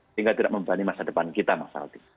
sehingga tidak membebani masa depan kita mas aldi